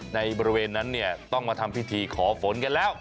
ในบริเวณนั้นเนี่ยต้องมาทำพิธีขอฝนกันแล้ว